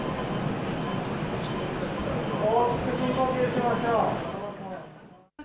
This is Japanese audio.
大きく深呼吸しましょう。